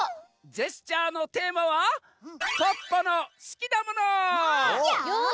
ジェスチャーのテーマはよし！